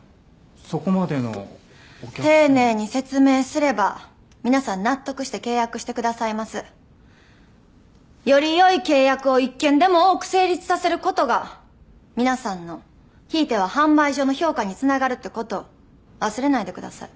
そこまでのお客さまに丁寧に説明すれば皆さん納得して契約してくださいますよりよい契約を一件でも多く成立させることが皆さんのひいては販売所の評価につながるってこと忘れないでください